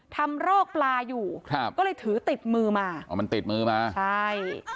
รอกปลาอยู่ครับก็เลยถือติดมือมาอ๋อมันติดมือมาใช่